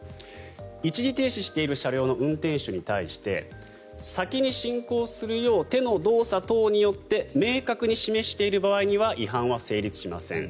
一時停止している車両の運転手に対して先に進行するよう手の動作等によって明確に示している場合には違反は成立しません。